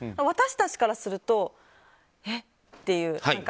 私たちからするとえっていう。